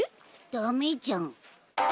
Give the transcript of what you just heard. ダメじゃん。